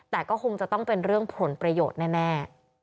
แต่ก็คงจะต้องเป็นเรื่องผลประโยชน์แน่